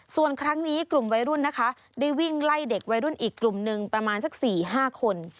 ส่วนครั้งนี้กลุ่มวัยรุ่นนะคะได้วิ่งไล่เด็กวัยรุ่นอีกกลุ่มหนึ่งประมาณสัก๔๕คน